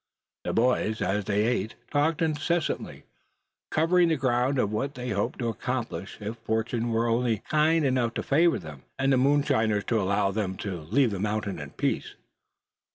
The boys, as they ate, talked incessantly, covering the ground of what they hoped to accomplish, if fortune were only kind enough to favor them, and the moonshiners to allow them to leave the mountains in peace.